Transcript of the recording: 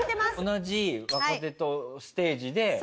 同じ若手とステージで競うんだ。